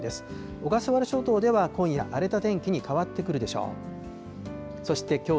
小笠原諸島では今夜、荒れた天気に変わってくるでしょう。